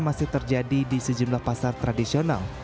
masih terjadi di sejumlah pasar tradisional